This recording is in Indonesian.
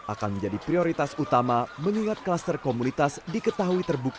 akan menjadi prioritas utama mengingat kluster komunitas diketahui terbuka